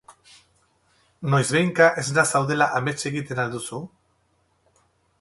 Noizbehinka esna zaudela amets egiten al duzu?